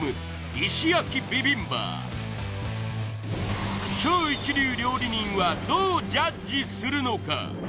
石焼ビビンバ超一流料理人はどうジャッジするのか？